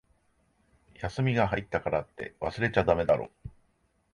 休みが入ったからって、忘れちゃだめだろ。